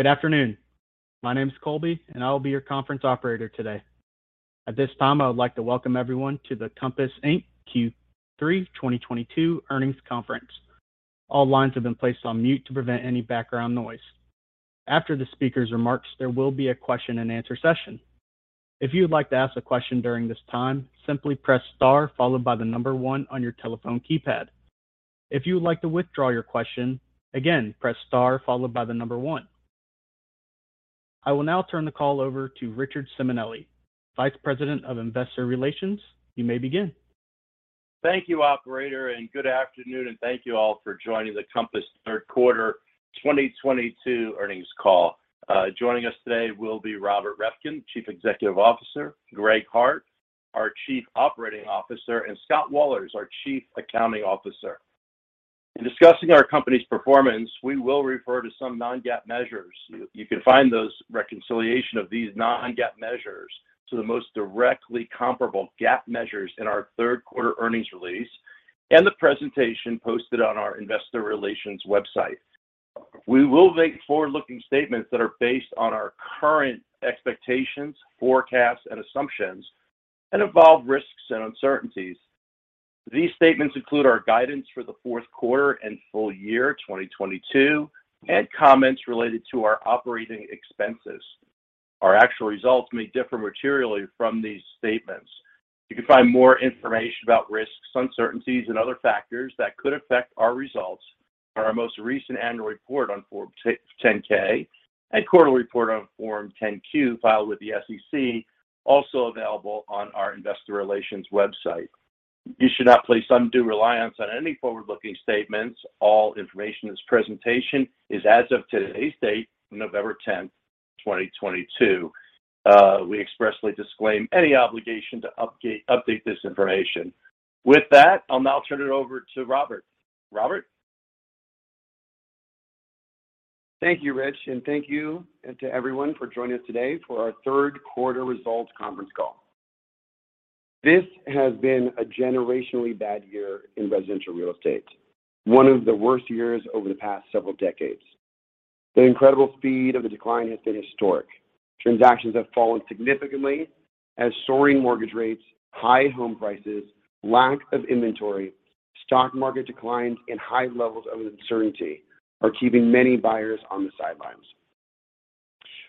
Good afternoon. My name is Colby, and I will be your conference operator today. At this time, I would like to welcome everyone to the Compass Inc Q3 2022 earnings conference. All lines have been placed on mute to prevent any background noise. After the speaker's remarks, there will be a question and answer session. If you would like to ask a question during this time, simply press star followed by the number one on your telephone keypad. If you would like to withdraw your question, again, press star followed by the number one. I will now turn the call over to Richard Simonelli, Vice President of Investor Relations. You may begin. Thank you, operator, and good afternoon, and thank you all for joining the Compass third quarter 2022 earnings call. Joining us today will be Robert Reffkin, Chief Executive Officer, Greg Hart, our Chief Operating Officer, and Scott Wahlers, our Chief Accounting Officer. In discussing our company's performance, we will refer to some non-GAAP measures. You can find those reconciliation of these non-GAAP measures to the most directly comparable GAAP measures in our third quarter earnings release and the presentation posted on our investor relations website. We will make forward-looking statements that are based on our current expectations, forecasts, and assumptions and involve risks and uncertainties. These statements include our guidance for the fourth quarter and full year 2022 and comments related to our operating expenses. Our actual results may differ materially from these statements. You can find more information about risks, uncertainties, and other factors that could affect our results on our most recent annual report on Form 10-K and quarterly report on Form 10-Q filed with the SEC, also available on our investor relations website. You should not place undue reliance on any forward-looking statements. All information in this presentation is as of today's date, November 10, 2022. We expressly disclaim any obligation to update this information. With that, I'll now turn it over to Robert. Robert? Thank you, Rich, and thank you to everyone for joining us today for our third quarter results conference call. This has been a generationally bad year in residential real estate, one of the worst years over the past several decades. The incredible speed of the decline has been historic. Transactions have fallen significantly as soaring mortgage rates, high home prices, lack of inventory, stock market declines, and high levels of uncertainty are keeping many buyers on the sidelines.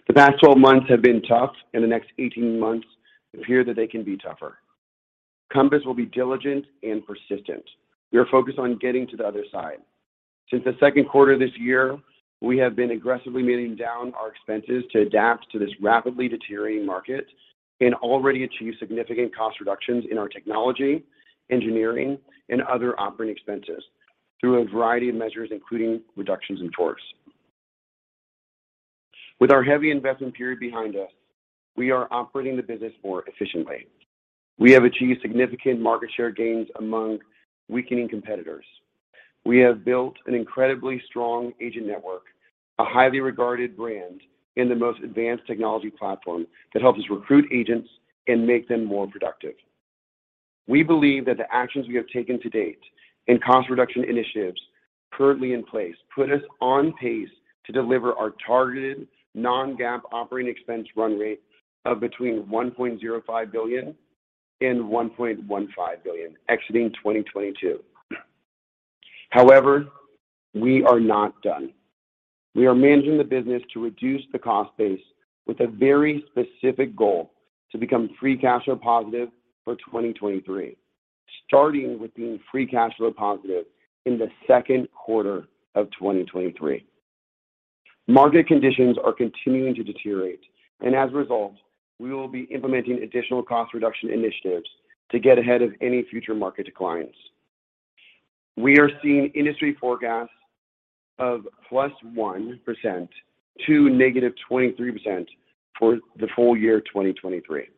The past 12 months have been tough, and the next 18 months appear that they can be tougher. Compass will be diligent and persistent. We are focused on getting to the other side. Since the second quarter this year, we have been aggressively ramping down our expenses to adapt to this rapidly deteriorating market and already achieve significant cost reductions in our technology, engineering, and other operating expenses through a variety of measures, including reductions in force. With our heavy investment period behind us, we are operating the business more efficiently. We have achieved significant market share gains among weakening competitors. We have built an incredibly strong agent network, a highly regarded brand, and the most advanced technology platform that helps us recruit agents and make them more productive. We believe that the actions we have taken to date and cost reduction initiatives currently in place put us on pace to deliver our targeted non-GAAP operating expense run rate of between $1.05 billion and $1.15 billion exiting 2022. However, we are not done. We are managing the business to reduce the cost base with a very specific goal free cash flow positive for 2023, starting free cash flow positive in the second quarter of 2023. Market conditions are continuing to deteriorate, and as a result, we will be implementing additional cost reduction initiatives to get ahead of any future market declines. We are seeing industry forecasts of +1% to -23% for the full year 2023.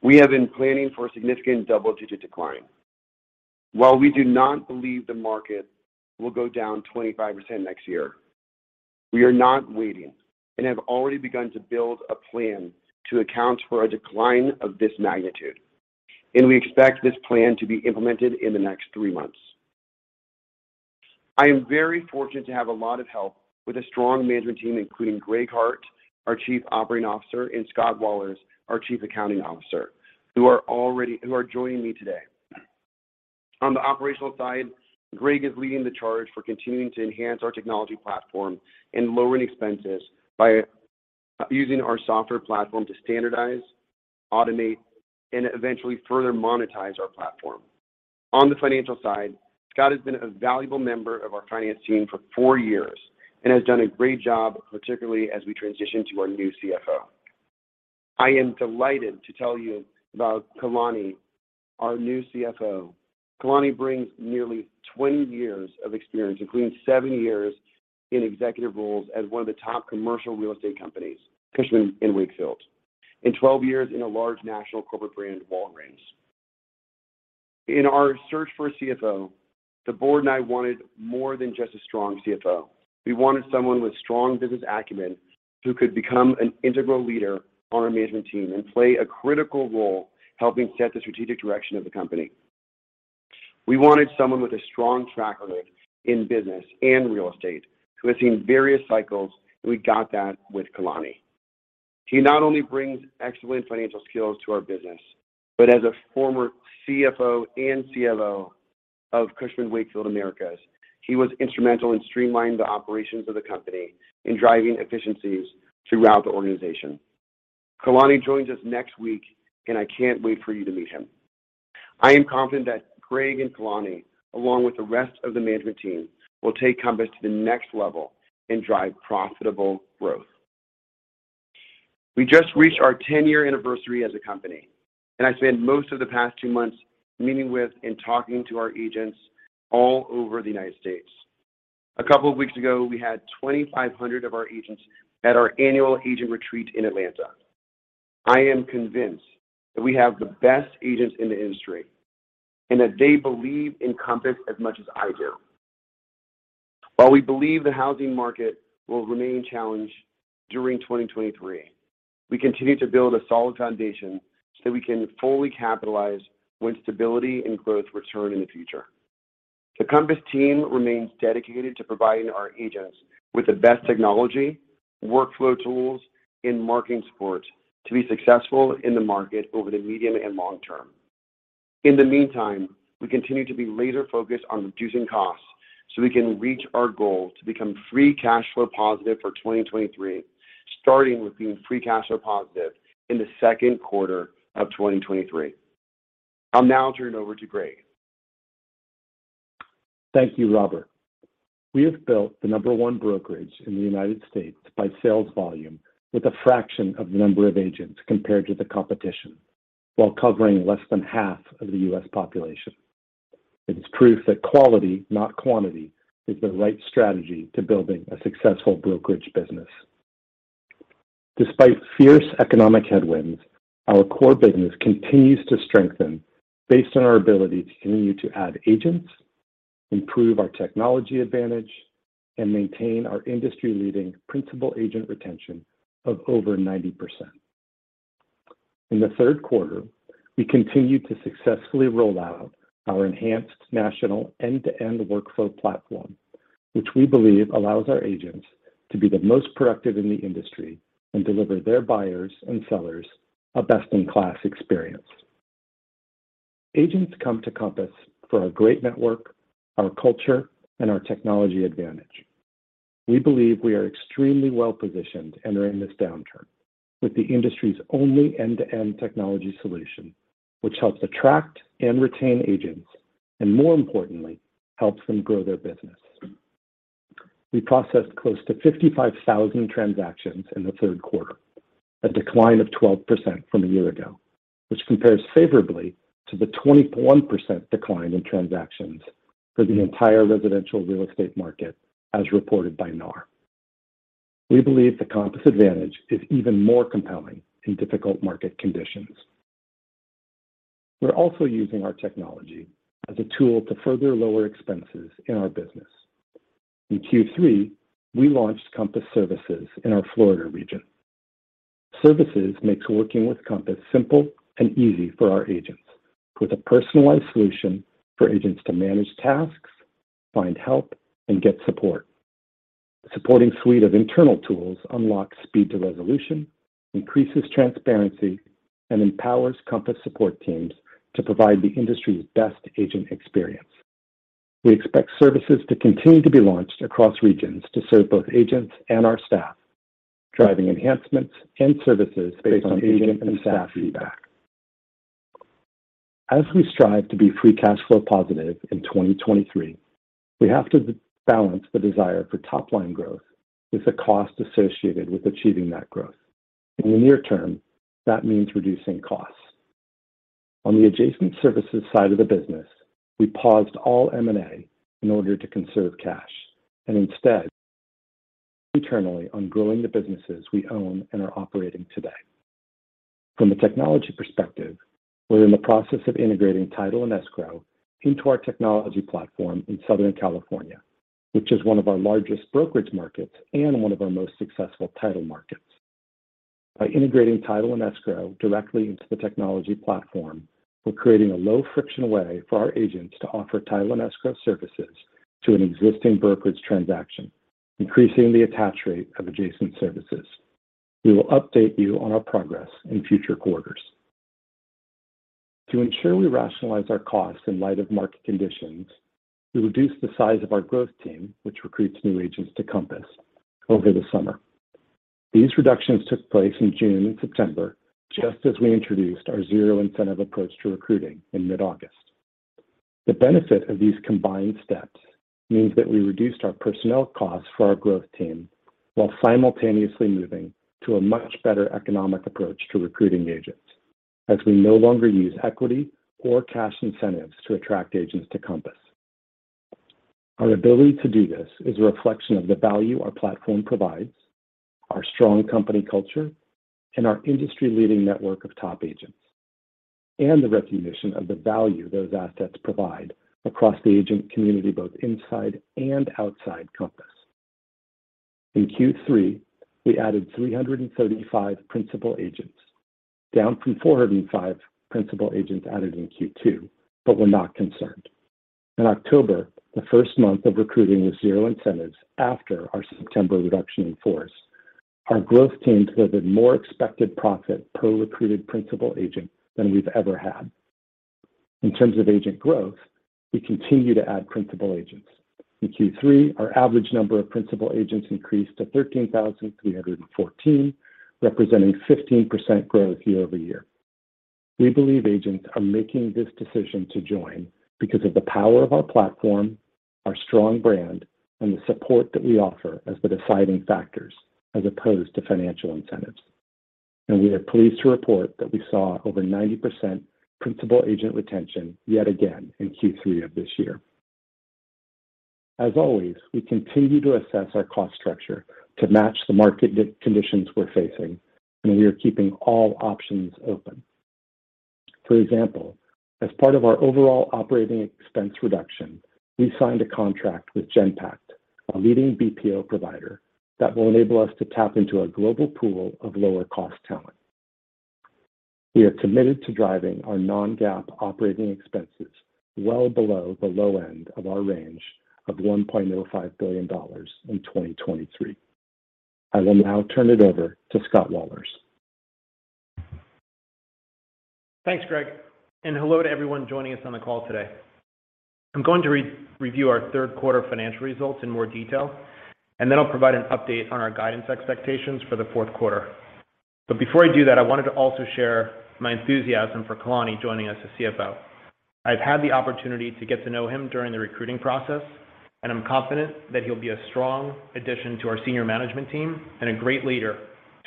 We have been planning for a significant double-digit decline. While we do not believe the market will go down 25% next year, we are not waiting and have already begun to build a plan to account for a decline of this magnitude. We expect this plan to be implemented in the next three months. I am very fortunate to have a lot of help with a strong management team, including Greg Hart, our Chief Operating Officer, and Scott Wahlers, our Chief Accounting Officer, who are joining me today. On the operational side, Greg is leading the charge for continuing to enhance our technology platform and lowering expenses by using our software platform to standardize, automate, and eventually further monetize our platform. On the financial side, Scott has been a valuable member of our finance team for four years and has done a great job, particularly as we transition to our new CFO. I am delighted to tell you about Kalani, our new CFO. Kalani brings nearly 20 years of experience, including seven years in executive roles as one of the top commercial real estate companies, Cushman & Wakefield, and 12 years in a large national corporate brand, Walgreens. In our search for a CFO, the board and I wanted more than just a strong CFO. We wanted someone with strong business acumen who could become an integral leader on our management team and play a critical role helping set the strategic direction of the company. We wanted someone with a strong track record in business and real estate who has seen various cycles. We got that with Kalani. He not only brings excellent financial skills to our business, but as a former CFO and CEO of Cushman & Wakefield Americas, he was instrumental in streamlining the operations of the company and in driving efficiencies throughout the organization. Kalani joins us next week, and I can't wait for you to meet him. I am confident that Greg and Kalani, along with the rest of the management team, will take Compass to the next level and drive profitable growth. We just reached our 10-year anniversary as a company, and I spent most of the past two months meeting with and talking to our agents all over the United States. A couple of weeks ago, we had 2,500 of our agents at our annual agent retreat in Atlanta. I am convinced that we have the best agents in the industry and that they believe in Compass as much as I do. While we believe the housing market will remain challenged during 2023, we continue to build a solid foundation so we can fully capitalize when stability and growth return in the future. The Compass team remains dedicated to providing our agents with the best technology, workflow tools, and marketing support to be successful in the market over the medium and long term. In the meantime, we continue to be laser focused on reducing costs so we can reach our goal free cash flow positive for 2023, starting free cash flow positive in the second quarter of 2023. I'll now turn it over to Greg. Thank you, Robert. We have built the number one brokerage in the United States by sales volume with a fraction of the number of agents compared to the competition, while covering less than half of the U.S. population. It is proof that quality, not quantity, is the right strategy to building a successful brokerage business. Despite fierce economic headwinds, our core business continues to strengthen based on our ability to continue to add agents, improve our technology advantage, and maintain our industry-leading principal agent retention of over 90%. In the third quarter, we continued to successfully roll out our enhanced national end-to-end workflow platform, which we believe allows our agents to be the most productive in the industry and deliver their buyers and sellers a best-in-class experience. Agents come to Compass for our great network, our culture, and our technology advantage. We believe we are extremely well-positioned entering this downturn with the industry's only end-to-end technology solution, which helps attract and retain agents, and more importantly, helps them grow their business. We processed close to 55,000 transactions in the third quarter, a decline of 12% from a year ago, which compares favorably to the 21% decline in transactions for the entire residential real estate market as reported by NAR. We believe the Compass advantage is even more compelling in difficult market conditions. We're also using our technology as a tool to further lower expenses in our business. In Q3, we launched Compass Services in our Florida region. Services makes working with Compass simple and easy for our agents, with a personalized solution for agents to manage tasks, find help, and get support. A supporting suite of internal tools unlocks speed to resolution, increases transparency, and empowers Compass support teams to provide the industry's best agent experience. We expect services to continue to be launched across regions to serve both agents and our staff, driving enhancements and services based on agent and staff feedback. As we strive free cash flow positive in 2023, we have to balance the desire for top-line growth with the cost associated with achieving that growth. In the near term, that means reducing costs. On the adjacent services side of the business, we paused all M&A in order to conserve cash and instead internally on growing the businesses we own and are operating today. From a technology perspective, we're in the process of integrating title and escrow into our technology platform in Southern California, which is one of our largest brokerage markets and one of our most successful title markets. By integrating title and escrow directly into the technology platform, we're creating a low-friction way for our agents to offer title and escrow services to an existing brokerage transaction, increasing the attach rate of adjacent services. We will update you on our progress in future quarters. To ensure we rationalize our costs in light of market conditions, we reduced the size of our growth team, which recruits new agents to Compass over the summer. These reductions took place in June and September, just as we introduced our zero incentive approach to recruiting in mid-August. The benefit of these combined steps means that we reduced our personnel costs for our growth team while simultaneously moving to a much better economic approach to recruiting agents, as we no longer use equity or cash incentives to attract agents to Compass. Our ability to do this is a reflection of the value our platform provides, our strong company culture, and our industry-leading network of top agents, and the recognition of the value those assets provide across the agent community, both inside and outside Compass. In Q3, we added 335 principal agents, down from 405 principal agents added in Q2, but we're not concerned. In October, the first month of recruiting with zero incentives after our September reduction in force, our growth team delivered more expected profit per recruited principal agent than we've ever had. In terms of agent growth, we continue to add principal agents. In Q3, our average number of principal agents increased to 13,314, representing 15% growth year-over-year. We believe agents are making this decision to join because of the power of our platform, our strong brand, and the support that we offer as the deciding factors as opposed to financial incentives. We are pleased to report that we saw over 90% principal agent retention yet again in Q3 of this year. As always, we continue to assess our cost structure to match the market conditions we're facing, and we are keeping all options open. For example, as part of our overall operating expense reduction, we signed a contract with Genpact, a leading BPO provider that will enable us to tap into a global pool of lower-cost talent. We are committed to driving our non-GAAP operating expenses well below the low end of our range of $1.05 billion in 2023. I will now turn it over to Scott Wahlers. Thanks, Greg, and hello to everyone joining us on the call today. I'm going to re-review our third quarter financial results in more detail, and then I'll provide an update on our guidance expectations for the fourth quarter. Before I do that, I wanted to also share my enthusiasm for Kalani joining us as CFO. I've had the opportunity to get to know him during the recruiting process, and I'm confident that he'll be a strong addition to our senior management team and a great leader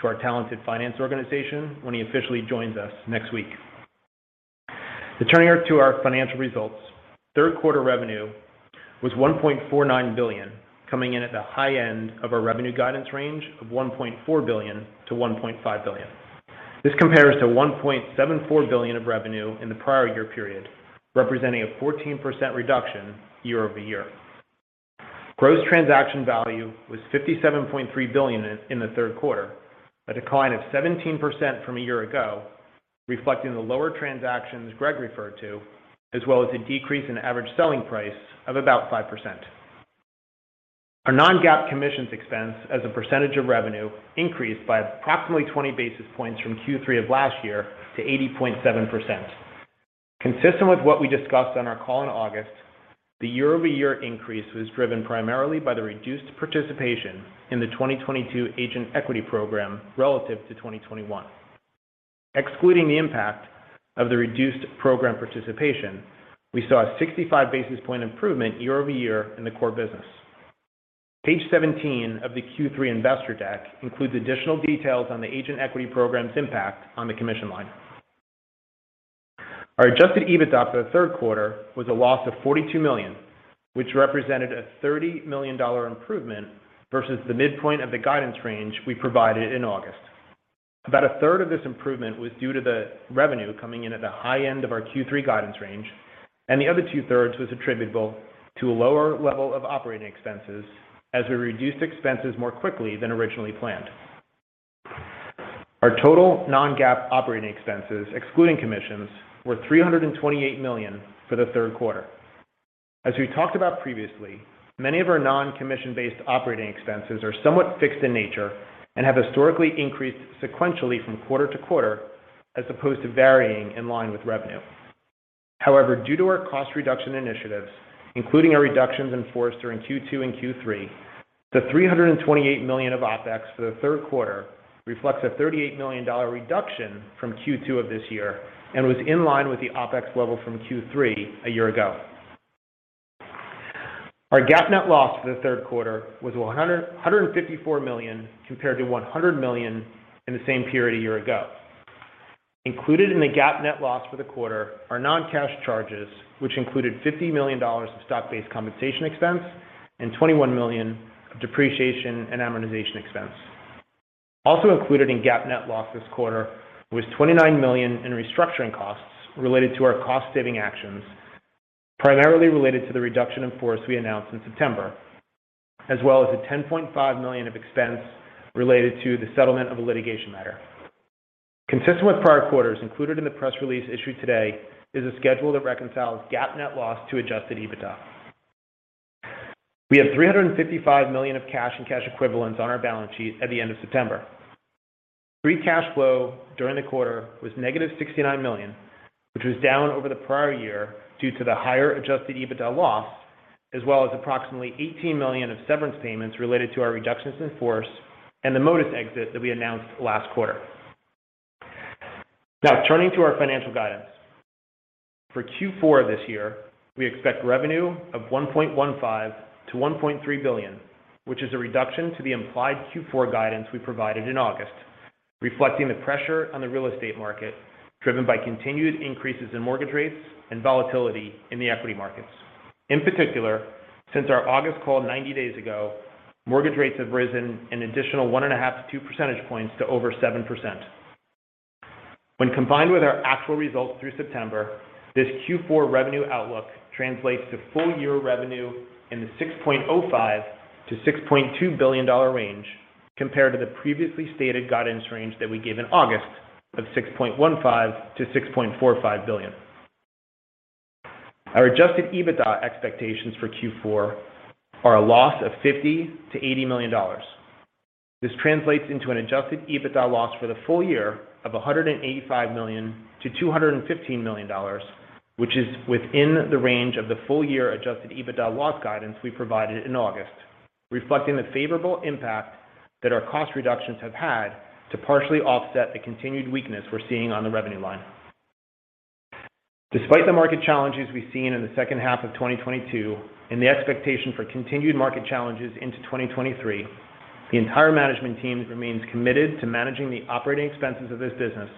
to our talented finance organization when he officially joins us next week. Turning to our financial results, third quarter revenue was $1.49 billion, coming in at the high end of our revenue guidance range of $1.4 billion-$1.5 billion. This compares to $1.74 billion of revenue in the prior year period, representing a 14% reduction year-over-year. Gross transaction value was $57.3 billion in the third quarter, a decline of 17% from a year ago, reflecting the lower transactions Greg referred to, as well as a decrease in average selling price of about 5%. Our non-GAAP commissions expense as a percentage of revenue increased by approximately 20 basis points from Q3 of last year to 80.7%. Consistent with what we discussed on our call in August, the year-over-year increase was driven primarily by the reduced participation in the 2022 Agent Equity Program relative to 2021. Excluding the impact of the reduced program participation, we saw a 65 basis point improvement year-over-year in the core business. Page 17 of the Q3 investor deck includes additional details on the Agent Equity Program's impact on the commission line. Our Adjusted EBITDA for the third quarter was a loss of $42 million, which represented a $30 million improvement versus the midpoint of the guidance range we provided in August. About a third of this improvement was due to the revenue coming in at the high end of our Q3 guidance range, and the other two-thirds was attributable to a lower level of operating expenses as we reduced expenses more quickly than originally planned. Our total non-GAAP operating expenses, excluding commissions, were $328 million for the third quarter. As we talked about previously, many of our non-commission-based operating expenses are somewhat fixed in nature and have historically increased sequentially from quarter to quarter as opposed to varying in line with revenue. However, due to our cost reduction initiatives, including our reductions in force during Q2 and Q3, the $328 million of OpEx for the third quarter reflects a $38 million reduction from Q2 of this year and was in line with the OpEx level from Q3 a year ago. Our GAAP net loss for the third quarter was $154 million compared to $100 million in the same period a year ago. Included in the GAAP net loss for the quarter are non-cash charges, which included $50 million of stock-based compensation expense and $21 million of depreciation and amortization expense. Included in GAAP net loss this quarter was $29 million in restructuring costs related to our cost-saving actions, primarily related to the reduction in force we announced in September, as well as $10.5 million of expense related to the settlement of a litigation matter. Consistent with prior quarters, included in the press release issued today is a schedule that reconciles GAAP net loss to Adjusted EBITDA. We had $355 million of cash and cash equivalents on our balance sheet at the end of September. free cash flow during the quarter was -$69 million, which was down over the prior year due to the higher Adjusted EBITDA loss, as well as approximately $18 million of severance payments related to our reductions in force and the Modus exit that we announced last quarter. Now, turning to our financial guidance. For Q4 this year, we expect revenue of $1.15 billion-$1.3 billion, which is a reduction to the implied Q4 guidance we provided in August, reflecting the pressure on the real estate market driven by continued increases in mortgage rates and volatility in the equity markets. In particular, since our August call 90 days ago, mortgage rates have risen an additional 1.5 to 2 percentage points to over 7%. When combined with our actual results through September, this Q4 revenue outlook translates to full-year revenue in the $6.05 billion-$6.2 billion range compared to the previously stated guidance range that we gave in August of $6.15 billion-$6.45 billion. Our Adjusted EBITDA expectations for Q4 are a loss of $50 million-$80 million. This translates into an Adjusted EBITDA loss for the full year of $185 million-$215 million, which is within the range of the full-year Adjusted EBITDA loss guidance we provided in August, reflecting the favorable impact that our cost reductions have had to partially offset the continued weakness we're seeing on the revenue line. Despite the market challenges we've seen in the second half of 2022 and the expectation for continued market challenges into 2023, the entire management team remains committed to managing the operating expenses of this business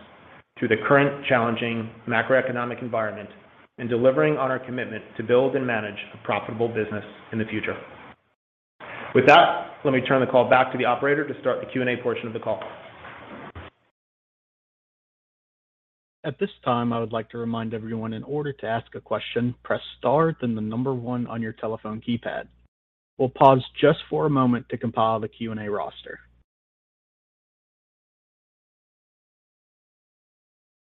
through the current challenging macroeconomic environment and delivering on our commitment to build and manage a profitable business in the future. With that, let me turn the call back to the operator to start the Q&A portion of the call. At this time, I would like to remind everyone in order to ask a question, press star, then the number one on your telephone keypad. We'll pause just for a moment to compile the Q&A roster.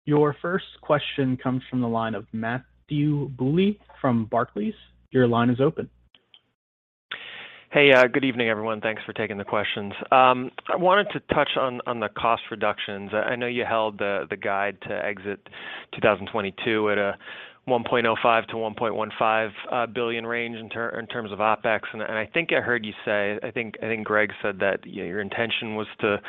Your first question comes from the line of Matthew Bouley from Barclays. Your line is open. Hey, good evening, everyone. Thanks for taking the questions. I wanted to touch on the cost reductions. I know you held the guide to exit 2022 at a $1.05 billion-$1.15 billion range in terms of OpEx. I think I heard you say, I think Greg said that your intention was to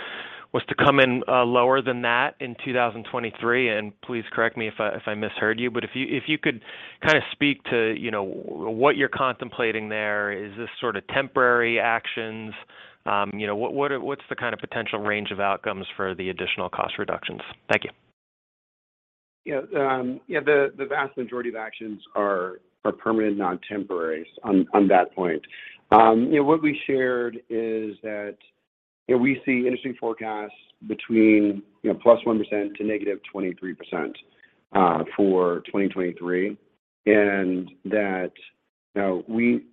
come in lower than that in 2023, and please correct me if I misheard you. If you could kind of speak to, you know, what you're contemplating there. Is this sort of temporary actions? You know, what's the kind of potential range of outcomes for the additional cost reductions? Thank you. Yeah. The vast majority of actions are permanent, not temporary on that point. You know, what we shared is that, you know, we see interesting forecasts between +1% to -23% for 2023, and that, you know, we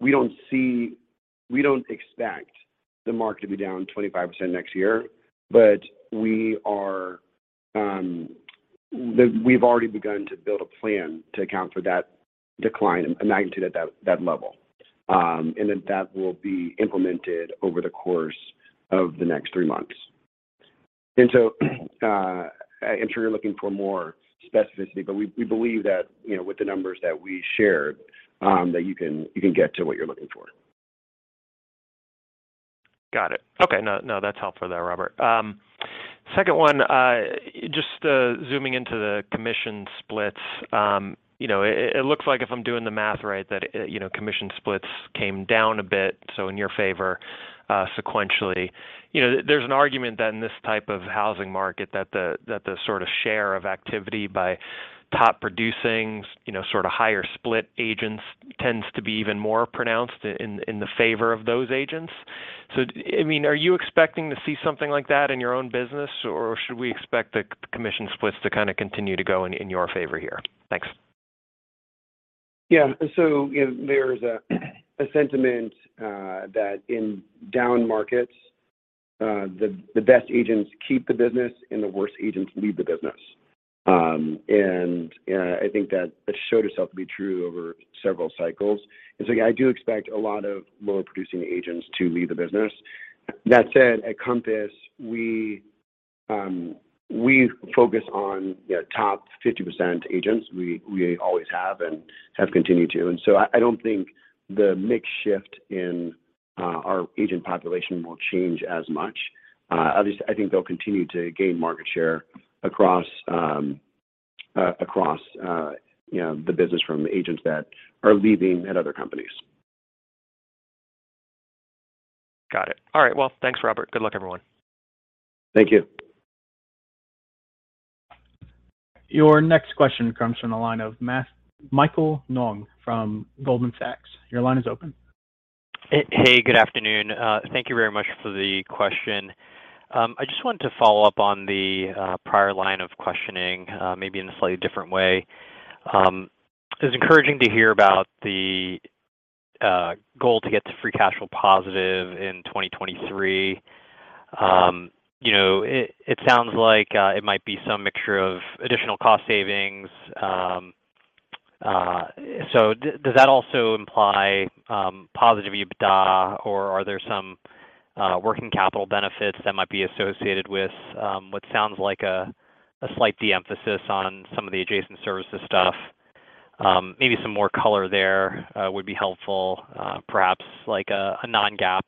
don't expect the market to be down 25% next year. We are. We've already begun to build a plan to account for that decline, a magnitude at that level. Then that will be implemented over the course of the next three months. I'm sure you're looking for more specificity, but we believe that, you know, with the numbers that we shared, that you can get to what you're looking for. Got it. Okay. No, no, that's helpful there, Robert. Second one, just zooming into the commission splits. You know, it looks like if I'm doing the math right, that commission splits came down a bit, so in your favor, sequentially. You know, there's an argument that in this type of housing market that the sort of share of activity by top-producing, you know, sort of higher split agents tends to be even more pronounced in the favor of those agents. I mean, are you expecting to see something like that in your own business, or should we expect the commission splits to kind of continue to go in your favor here? Thanks. Yeah. So, you know, there's a sentiment that in down markets, the best agents keep the business and the worst agents leave the business. I think that it showed itself to be true over several cycles. Yeah, I do expect a lot of lower producing agents to leave the business. That said, at Compass, we focus on, you know, top 50% agents. We always have and have continued to. I don't think the mix shift in our agent population will change as much. Obviously, I think they'll continue to gain market share across, you know, the business from agents that are leaving at other companies. Got it. All right. Well, thanks, Robert. Good luck, everyone. Thank you. Your next question comes from the line of Michael Ng from Goldman Sachs. Your line is open. Hey. Good afternoon. Thank you very much for the question. I just wanted to follow up on the prior line of questioning, maybe in a slightly different way. It's encouraging to hear about the goal to free cash flow positive in 2023. You know, it sounds like it might be some mixture of additional cost savings. So does that also imply positive EBITDA, or are there some working capital benefits that might be associated with what sounds like a slight de-emphasis on some of the adjacent services stuff? Maybe some more color there would be helpful, perhaps like a non-GAAP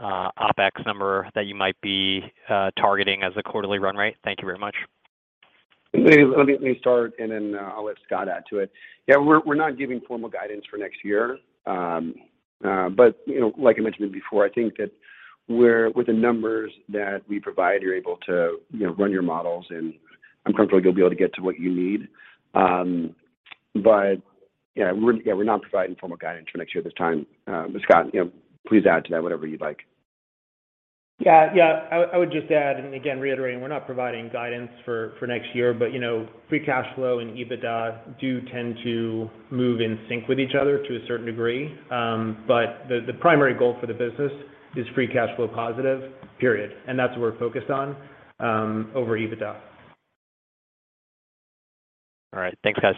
OpEx number that you might be targeting as a quarterly run rate. Thank you very much. Let me start and then I'll let Scott add to it. Yeah, we're not giving formal guidance for next year. You know, like I mentioned before, I think that with the numbers that we provide, you're able to, you know, run your models, and I'm comfortable you'll be able to get to what you need. Yeah, we're not providing formal guidance for next year this time. Scott, you know, please add to that whatever you'd like. Yeah. I would just add, and again reiterating, we're not providing guidance for next year, but, you know, free cash flow and EBITDA do tend to move in sync with each other to a certain degree. The primary goal for the is free cash flow positive, period. That's what we're focused on over EBITDA. All right. Thanks, guys.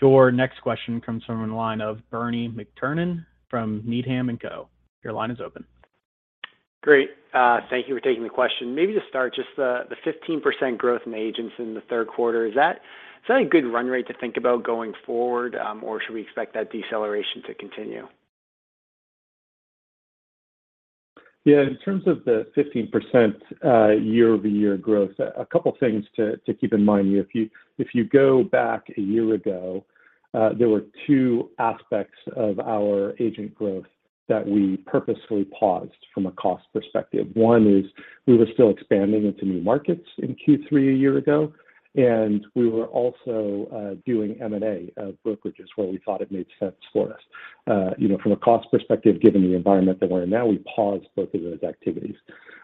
Your next question comes from the line of Bernie McTernan from Needham & Co. Your line is open. Great. Thank you for taking the question. Maybe to start, just the 15% growth in agents in the third quarter, is that a good run rate to think about going forward? Or should we expect that deceleration to continue? Yeah. In terms of the 15% year-over-year growth, a couple things to keep in mind. If you go back a year ago, there were two aspects of our agent growth that we purposefully paused from a cost perspective. One is we were still expanding into new markets in Q3 a year ago, and we were also doing M&A of brokerages where we thought it made sense for us. You know, from a cost perspective, given the environment that we're in now, we paused both of those activities.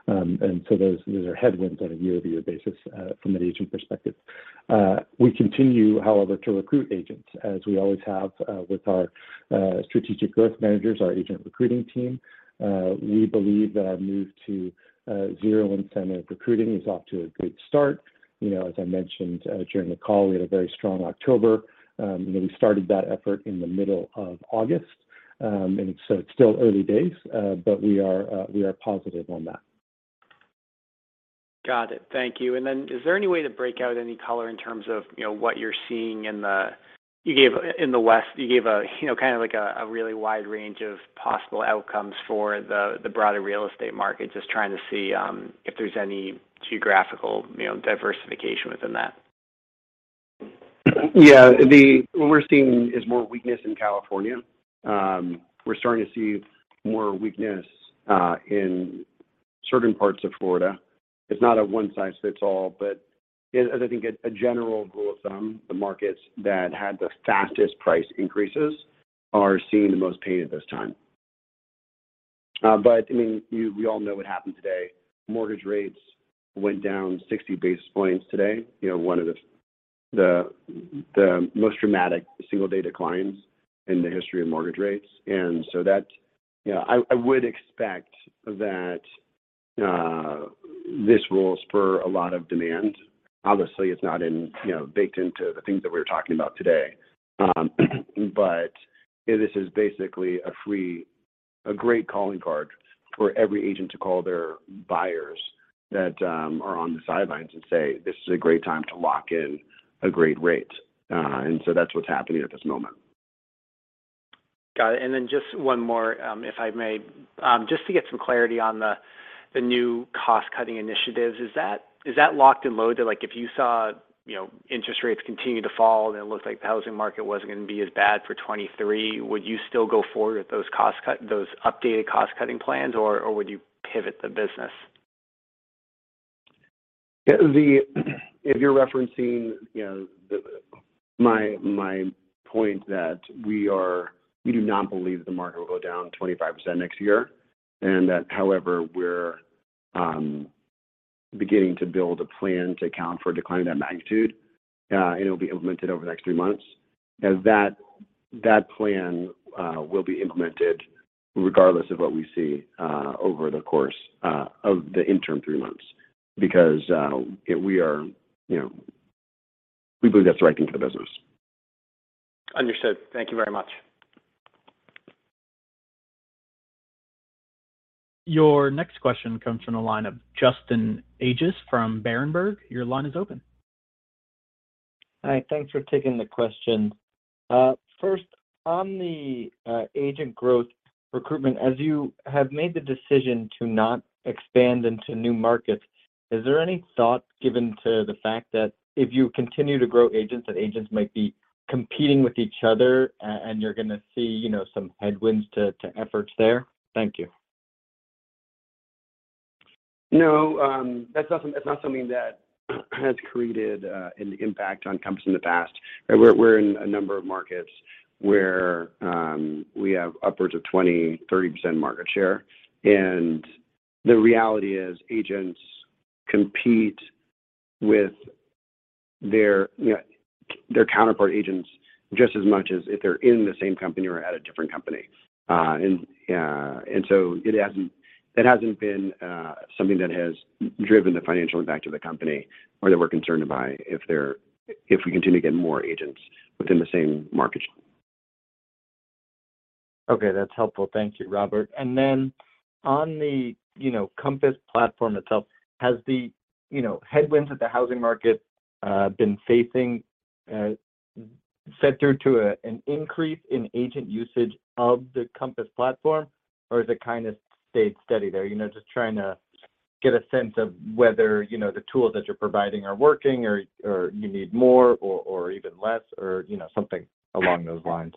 Those are headwinds on a year-over-year basis from an agent perspective. We continue, however, to recruit agents, as we always have, with our strategic growth managers, our agent recruiting team. We believe that our move to zero incentive recruiting is off to a great start. You know, as I mentioned, during the call, we had a very strong October. You know, we started that effort in the middle of August. It's still early days, but we are positive on that. Got it. Thank you. Is there any way to break out any color in terms of, you know, what you're seeing in the West, you gave, you know, kind of like a really wide range of possible outcomes for the broader real estate market. Just trying to see if there's any geographical, you know, diversification within that. Yeah. What we're seeing is more weakness in California. We're starting to see more weakness in certain parts of Florida. It's not a one-size-fits-all, but as I think a general rule of thumb, the markets that had the fastest price increases are seeing the most pain at this time. I mean, we all know what happened today. Mortgage rates went down 60 basis points today. You know, one of the most dramatic single-day declines in the history of mortgage rates. That's. You know, I would expect that this will spur a lot of demand. Obviously, it's not, you know, baked into the things that we're talking about today. This is basically a free. a great calling card for every agent to call their buyers that are on the sidelines and say, "This is a great time to lock in a great rate." That's what's happening at this moment. Got it. Just one more, if I may. Just to get some clarity on the new cost-cutting initiatives. Is that locked and loaded? Like, if you saw, you know, interest rates continue to fall and it looked like the housing market wasn't gonna be as bad for 2023, would you still go forward with those updated cost-cutting plans, or would you pivot the business? Yeah. If you're referencing, you know, my point that we do not believe the market will go down 25% next year, and that however, we're beginning to build a plan to account for a decline of that magnitude, and it'll be implemented over the next three months. That plan will be implemented regardless of what we see over the course of the interim three months. Because we are, you know, we believe that's the right thing for the business. Understood. Thank you very much. Your next question comes from the line of Justin Ages from Berenberg. Your line is open. Hi. Thanks for taking the question. First, on the agent growth recruitment, as you have made the decision to not expand into new markets, is there any thought given to the fact that if you continue to grow agents, that agents might be competing with each other and you're gonna see, you know, some headwinds to efforts there? Thank you. No, that's not something that has created an impact on Compass in the past. We're in a number of markets where we have upwards of 20-30% market share. The reality is agents compete with their, you know, their counterpart agents just as much as if they're in the same company or at a different company. It hasn't been something that has driven the financial impact of the company or that we're concerned by if we continue to get more agents within the same market share. Okay. That's helpful. Thank you, Robert. On the, you know, Compass platform itself, has the, you know, headwinds that the housing market been facing led to an increase in agent usage of the Compass platform, or has it kind of stayed steady there? You know, just trying to get a sense of whether, you know, the tools that you're providing are working or you need more or even less or, you know, something along those lines.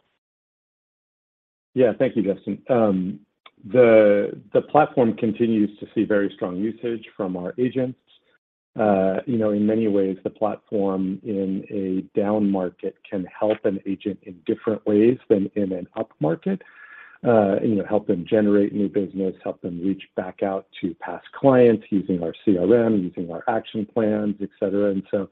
Yeah. Thank you, Justin. The platform continues to see very strong usage from our agents. You know, in many ways, the platform in a down market can help an agent in different ways than in an up market. You know, help them generate new business, help them reach back out to past clients using our CRM, using our action plans, et cetera. You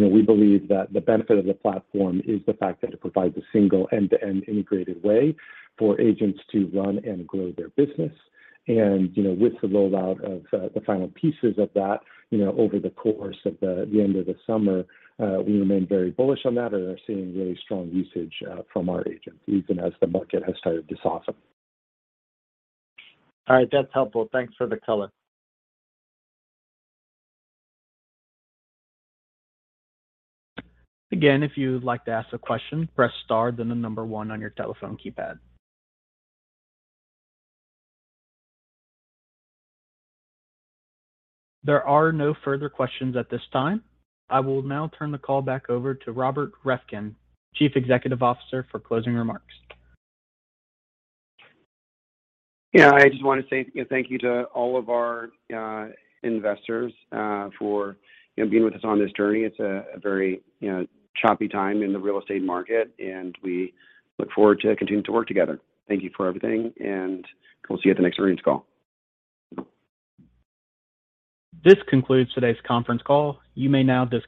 know, we believe that the benefit of the platform is the fact that it provides a single end-to-end integrated way for agents to run and grow their business. You know, with the rollout of the final pieces of that, you know, over the course of the end of the summer, we remain very bullish on that and are seeing really strong usage from our agents, even as the market has started to soften. All right. That's helpful. Thanks for the color. Again, if you would like to ask a question, press star then the number one on your telephone keypad. There are no further questions at this time. I will now turn the call back over to Robert Reffkin, Chief Executive Officer, for closing remarks. Yeah. I just wanna say thank you to all of our investors, you know, being with us on this journey. It's a very, you know, choppy time in the real estate market, and we look forward to continuing to work together. Thank you for everything, and we'll see you at the next earnings call. This concludes today's conference call. You may now dis-